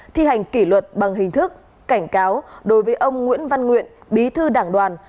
thi hành kỷ luật bằng hình thức cảnh cáo đối với ông nguyễn văn nguyện bí thư đảng đoàn